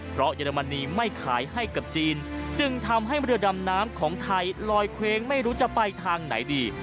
เพราะเยอรมนีไม่ขายให้กับจีนจึงทำให้เรือดำน้ำของไทยลอยเคว้งไม่รู้จะไปทางไหนดี